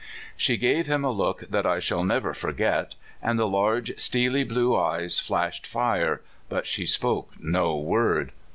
She gave him a look that I shall never forget, and the large steely blue eyes flashed fire, but she spoke no word.